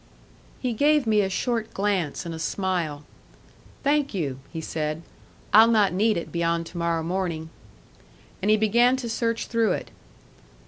He gave me a short glance and a smile. "Thank you," he said; "I'll not need it beyond to morrow morning." And he began to search through it.